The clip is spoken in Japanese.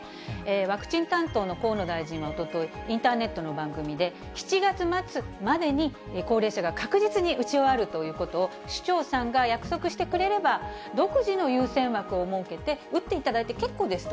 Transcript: ワクチン担当の河野大臣はおととい、インターネットの番組で、７月末までに高齢者が確実に打ち終わるということを、首長さんが約束してくれれば、独自の優先枠を設けて、打っていただいて結構ですと。